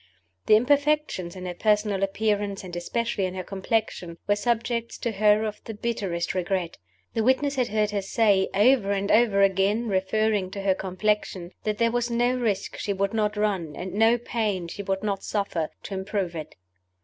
The imperfections in her personal appearance and especially in her complexion were subjects to her of the bitterest regret. The witness had heard her say, over and over again (referring to her complexion), that there was no risk she would not run, and no pain she would not suffer, to improve it.